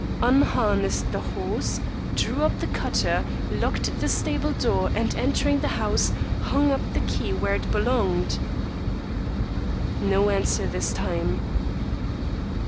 "Unharnessed the horse, drew up the cutter, locked the stable door, and, entering the house, hung up the key where it belonged." No answer this time.